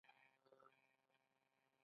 آیا دا د راتلونکي لپاره خطر نه دی؟